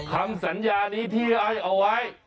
คำสัญญานี้ที่ให้เอาไว้